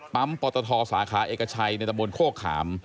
ปตทสาขาเอกชัยในตะบนโคกขาม